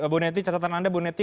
bu neti catatan anda bu neti